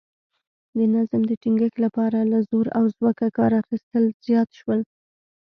د نظم د ټینګښت لپاره له زور او ځواکه کار اخیستل زیات شول